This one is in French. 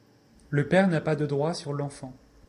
Le père n'a pas de droit sur l'enfant.